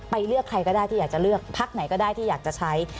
เลือกใครก็ได้ที่อยากจะเลือกพักไหนก็ได้ที่อยากจะใช้